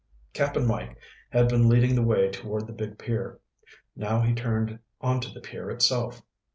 Cap'n Mike had been leading the way toward the big pier. Now he turned onto the pier itself.